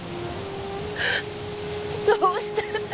どうして。